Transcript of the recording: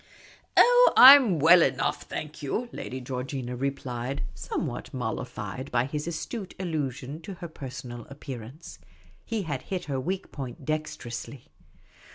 " Oh, I 'm we// enough, thank you," Lady Georgina re plied, somewhat mollified by his astute allusion to her per sonal appearance. He had hit her weak point dexterously.